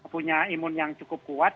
punya imun yang cukup kuat